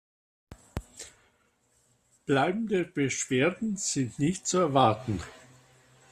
Bleibende Beschwerden sind nicht zu erwarten.